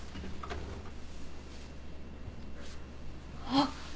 あっ！